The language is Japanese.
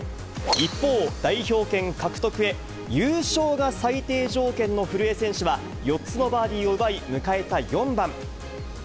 一方、代表権獲得へ、優勝が最低条件の古江選手は、４つのバーディーを奪い、迎えた４番。